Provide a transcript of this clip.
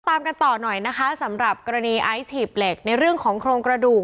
ตามกันต่อหน่อยนะคะสำหรับกรณีไอซ์หีบเหล็กในเรื่องของโครงกระดูก